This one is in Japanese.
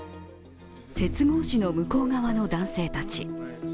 鉄格子の向こう側の男性たち。